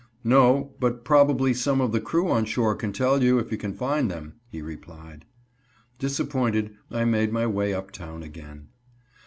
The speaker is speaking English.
"No, but probably some of the crew on shore can tell you, if you can find them," he replied. Disappointed, I made my way up town again.